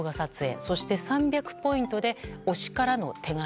そして３００ポイントで推しからの手紙。